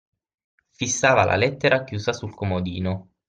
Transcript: Fissava la lettera chiusa sul comodino;